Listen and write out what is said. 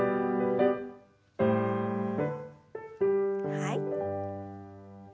はい。